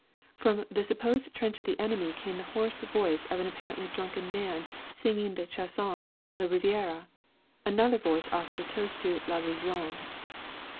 From the supposed trench of the enemy came the hoarse voice of an apparently drunken man, singing the chanson 'La Riviera.' Another voice offered a toast to 'La Légion.'